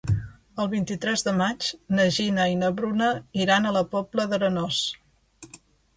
El vint-i-tres de maig na Gina i na Bruna iran a la Pobla d'Arenós.